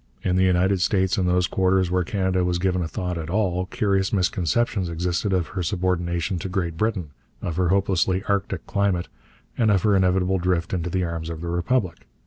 In the United States, in those quarters where Canada was given a thought at all, curious misconceptions existed of her subordination to Great Britain, of her hopelessly Arctic climate, and of her inevitable drift into the arms of the Republic.